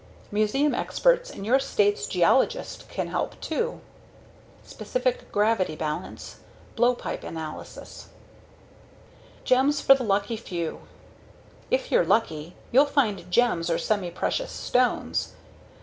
Museum experts and your state's geologist can help, too. [figure captions] Specific gravity balance Blowpipe analysis GEMS FOR THE LUCKY FEW If you're lucky, you'll find gems or semiprecious stones.